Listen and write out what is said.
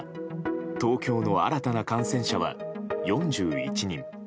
東京の新たな感染者は４１人。